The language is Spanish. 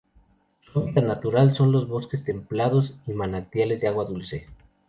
Su hábitat natural son los bosques templados y manantiales de agua dulce.